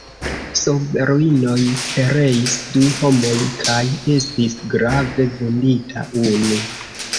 Sub ruinoj pereis du homoj kaj estis grave vundita unu.